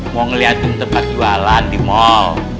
mau ngeliatin tempat jualan di mal